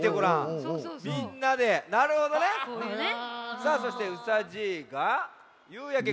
さあそしてうさじいが「夕やけこやけ」。